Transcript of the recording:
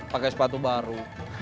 pakai sepatu baru